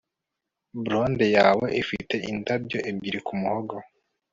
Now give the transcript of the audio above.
Blonde yawe ifite indabyo ebyiri kumuhogo